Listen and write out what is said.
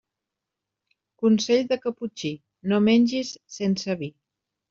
Consell de caputxí: no menges sense vi.